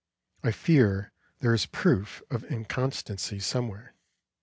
I fear there is proof of inconstancy somewhere.